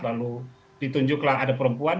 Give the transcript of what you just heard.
lalu ditunjuklah ada perempuan